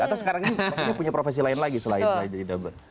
atau sekarang ini maksudnya punya profesi lain lagi selain jadi double